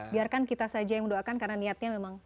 biarkan kita saja yang mendoakan karena niatnya memang